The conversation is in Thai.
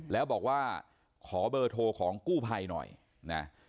แล้วบอกว่าขอเบอร์โทรของกู้ภัยหน่อยนะ